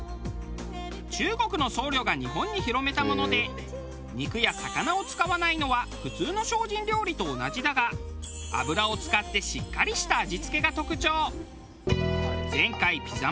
中国の僧侶が日本に広めたもので肉や魚を使わないのは普通の精進料理と同じだが油を使ってしっかりした味付けが特徴。